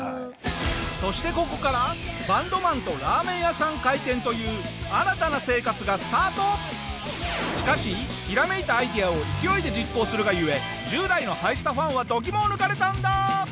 そしてここからバンドマンとラーメン屋さん開店というしかしひらめいたアイデアを勢いで実行するが故従来のハイスタファンは度肝を抜かれたんだ！